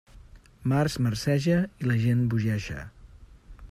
Març marceja... i la gent bogeja.